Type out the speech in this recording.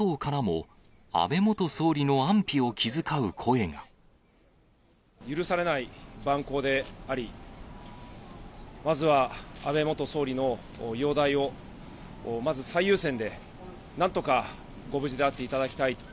野党からも、許されない蛮行であり、まずは安倍元総理の容体をまず最優先で、なんとかご無事であっていただきたい。